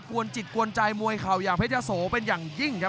วนจิตกวนใจมวยเข่าอย่างเพชรยะโสเป็นอย่างยิ่งครับ